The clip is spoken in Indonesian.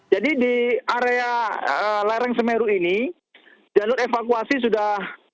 jadi di area lereng semeru ini jalur evakuasi sudah